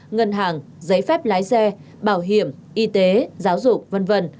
ngân hàng giấy phép lái xe bảo hiểm y tế giáo dục v v